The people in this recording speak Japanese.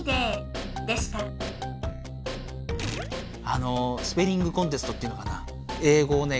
あのスペリングコンテストっていうのかな英語をね